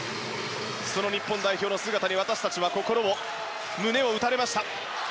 その日本代表の姿に私たちは胸を心を打たれました。